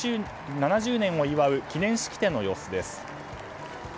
７０年を祝う記念式典の様子です。